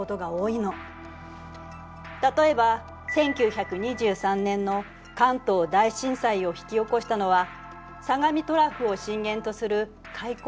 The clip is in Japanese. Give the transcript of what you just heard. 例えば１９２３年の関東大震災を引き起こしたのは相模トラフを震源とする海溝型地震だった。